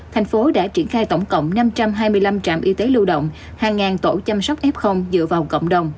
thành phố đã triển khai tổng cộng năm trăm hai mươi năm trạm y tế lưu động hàng tổ chăm sóc f dựa vào cộng đồng